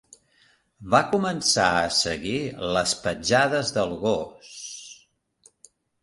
Va començar a seguir les petjades del gos.